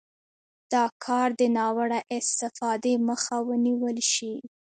دا کار د ناوړه استفادې مخه ونیول شي.